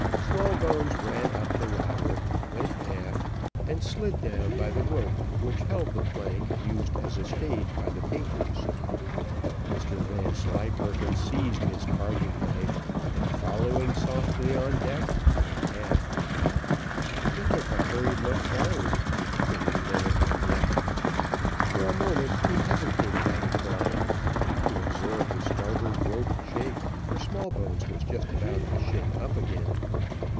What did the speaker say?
Smallbones ran up the ladder, went aft, and slid down by the rope which held the plank used as a stage by the painters. Mr Vanslyperken seized his carving knife, and following softly on deck, went aft. He took a hurried look forward there was no one on deck. For a moment, he hesitated at the crime; he observed the starboard rope shake, for Smallbones was just about to shin up again.